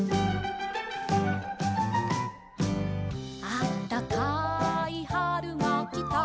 「あったかいはるがきた」